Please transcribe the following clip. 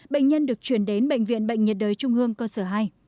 bệnh nhân được chuyển đến bệnh viện bệnh nhiệt đới trung ương cơ sở hai